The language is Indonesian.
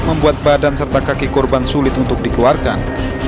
membuat badan serta kaki korban sulit untuk dikeluarkan